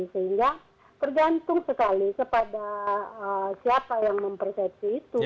sehingga tergantung sekali kepada siapa yang mempersepsi itu